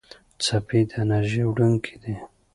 څپې د انرژۍ وړونکي دي.